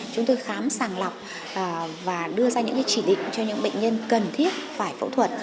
chúng tôi khám sàng lọc và đưa ra những chỉ định cho những bệnh nhân cần thiết phải phẫu thuật